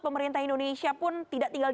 pemerintah indonesia pun tidak tinggal